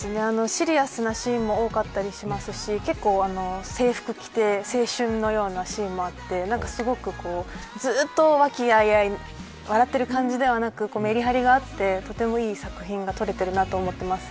シリアスなシーンも多かったりしますし結構、制服を着て青春のようなシーンもあって何かすごくずっと和気あいあい笑っている感じではなくメリハリがあってとてもいい作品が撮れているなと思っています。